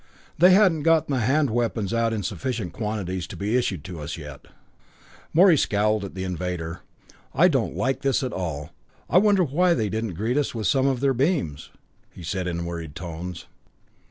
"They hadn't gotten the hand weapons out in sufficient quantities to be issued to us as yet." Morey scowled at the invader. "I don't like this at all. I wonder why they didn't greet us with some of their beams," he said in worried tones.